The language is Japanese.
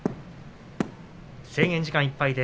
制限時間いっぱい。